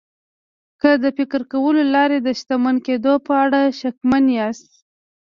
که د فکر کولو له لارې د شتمن کېدو په اړه شکمن ياست.